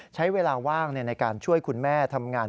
ใช้เวลาว่างในการช่วยคุณแม่ทำงาน